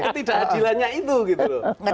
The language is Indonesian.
ketidak adilannya itu gitu loh